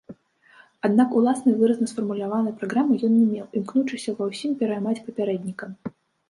Аднак, уласнай выразна сфармуляванай праграмы ён не меў, імкнучыся ва ўсім пераймаць папярэдніка.